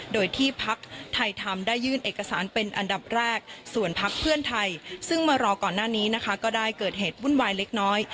โดยที่พักไทยทำได้ยื่นเอกสารเป็นอันดับแรกส่วนพักเพื่อนไทยซึ่งมารอก่อนหน้านี้นะคะก็ได้เกิดเหตุวุ่นวายเล็กน้อย